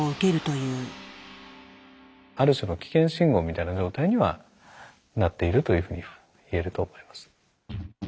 ある種の危険信号みたいな状態にはなっているというふうには言えると思います。